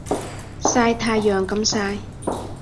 曬太陽咁曬